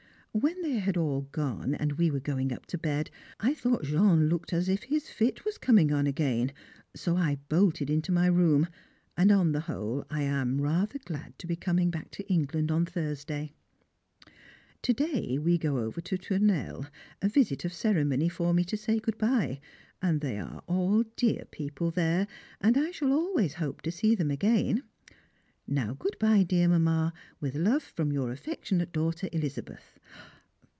When they had all gone, and we were going up to bed, I thought Jean looked as if his fit was coming on again, so I bolted into my room; and on the whole I am rather glad to be coming back to England on Thursday. To day we go over to Tournelle, a visit of ceremony for me to say good bye, and they are all dear people there, and I shall always hope to see them again. Now good bye, dear Mamma, with love from your affectionate daughter, Elizabeth.